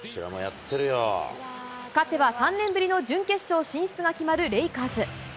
勝てば３年ぶりの準決勝進出が決まるレイカーズ。